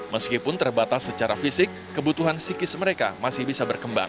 meskipun terbatas secara fisik kebutuhan psikis mereka masih bisa berkembang